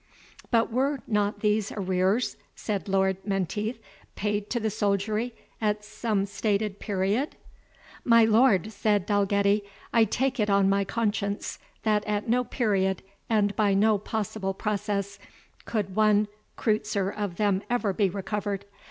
"But were not these arrears," said Lord Menteith, "paid to the soldiery at some stated period?" "My lord," said Dalgetty, "I take it on my conscience, that at no period, and by no possible process, could one creutzer of them ever be recovered.